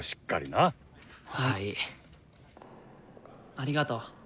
ありがとう。